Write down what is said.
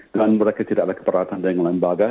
dan mereka tidak ada keperatan dengan lembaga